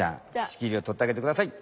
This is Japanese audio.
しきりをとってあげてください。